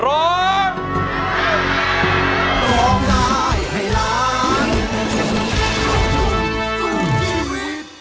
ร้องร้ายให้ร้าน